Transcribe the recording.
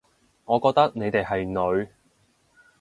我覺得你哋係女